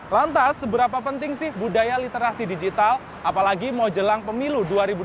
lantas seberapa penting sih budaya literasi digital apalagi mau jelang pemilu dua ribu dua puluh